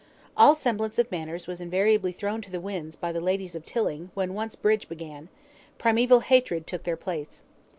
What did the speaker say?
All semblance of manners was invariably thrown to the winds by the ladies of Tilling when once bridge began; primeval hatred took their place.